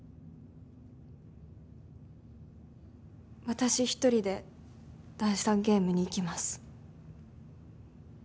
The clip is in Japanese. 私一人で第３ゲームに行きます。